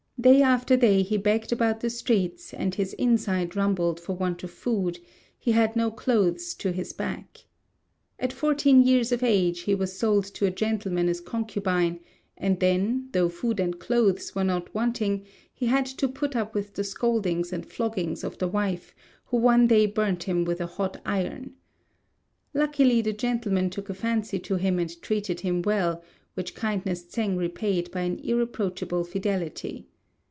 Day after day he begged about the streets, and his inside rumbled for want of food; he had no clothes to his back. At fourteen years of age he was sold to a gentleman as concubine; and then, though food and clothes were not wanting, he had to put up with the scoldings and floggings of the wife, who one day burnt him with a hot iron. Luckily the gentleman took a fancy to him and treated him well, which kindness Tsêng repaid by an irreproachable fidelity.